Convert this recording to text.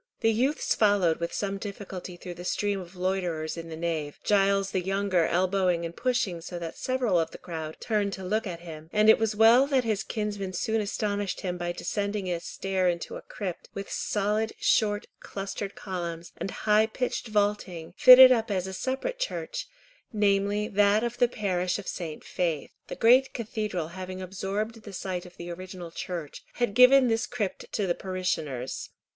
The youths followed with some difficulty through the stream of loiterers in the nave, Giles the younger elbowing and pushing so that several of the crowd turned to look at him, and it was well that his kinsman soon astonished him by descending a stair into a crypt, with solid, short, clustered columns, and high pitched vaulting, fitted up as a separate church, namely that of the parish of St. Faith. The great cathedral, having absorbed the site of the original church, had given this crypt to the parishioners.